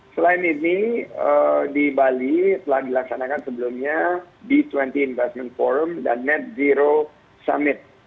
selain ini di bali telah dilaksanakan sebelumnya b dua puluh investment forum dan net zero summit